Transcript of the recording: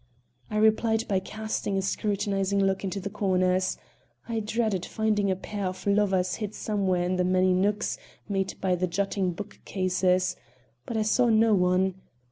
I replied by casting a scrutinizing look into the corners. I dreaded finding a pair of lovers hid somewhere in the many nooks made by the jutting book cases. But I saw no one.